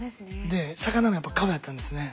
で魚もやっぱ顔だったんですね。